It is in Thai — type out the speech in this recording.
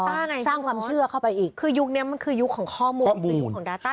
ดาต้าไงครับผมคือยุคนี้มันคือยุคของข้อมูลข้อมูลของดาต้า